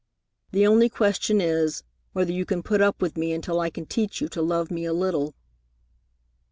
The only question is, whether you can put up with me until I can teach you to love me a little."